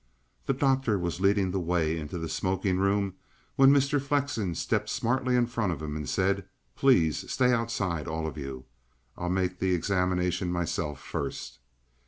The doctor was leading the way into the smoking room when Mr. Flexen stepped smartly in front of him and said: "Please stay outside all of you. I'll make the examination myself first."